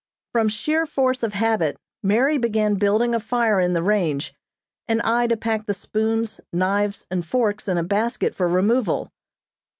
From sheer force of habit, Mary began building a fire in the range, and I to pack the spoons, knives and forks in a basket for removal.